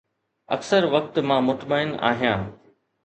اڪثر وقت مان مطمئن آهيان